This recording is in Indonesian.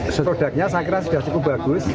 isu produknya saya kira sudah cukup bagus